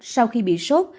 sau khi bị sốt